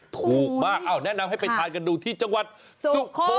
ถูกมากแนะนำให้ไปทานกันดูที่จังหวัดสุโข